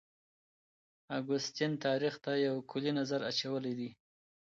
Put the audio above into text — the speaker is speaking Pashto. اګوستین تاریخ ته یو کلی نظر اچولی دی.